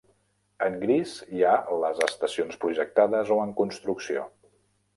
En gris hi ha les estacions projectades o en construcció.